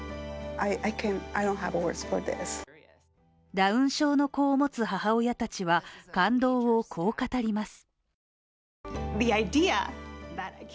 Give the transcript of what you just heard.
ダウン症の子を持つ母親たちは感動をこう語ります。